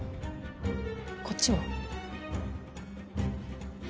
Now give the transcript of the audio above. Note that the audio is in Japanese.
こっちは？